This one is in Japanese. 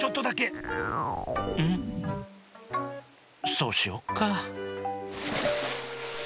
そうしよっか。